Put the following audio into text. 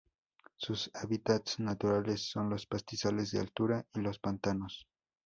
Sus hábitats naturales son los pastizales de altura y los pantanos.